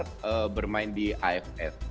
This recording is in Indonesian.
saya pernah bermain di iff